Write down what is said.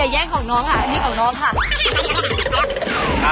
อย่าแย่งของน้องอ่ะนี่ของน้องค่ะ